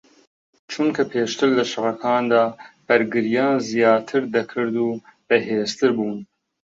چونکە پێشتر لە شەڕەکاندا بەرگریان زیاتر دەکرد و بەهێزتر بوون